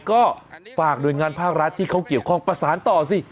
ก็ฝากหน่วยงานภาครัฐที่เขาเกี่ยวข้องประสานต่อสิ